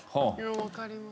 わかります。